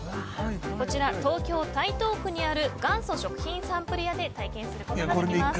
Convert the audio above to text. こちら東京・台東区にある元祖食品サンプル屋で体験することができます。